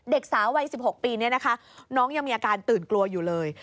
เด็กสาววัย๑๖ปีนี้นะคะน้องยังมีอาการตื่นกลัวอยู่เลย